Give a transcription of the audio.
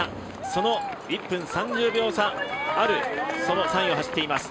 その１分３０秒差あるその３位を走っています。